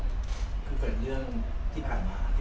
คือเกิดเรื่องที่ผ่านมา